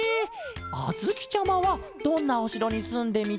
あづきちゃまはどんなおしろにすんでみたいケロ？